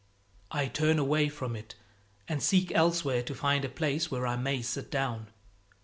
I turn away from it and seek elsewhere to find a place where I may sit down.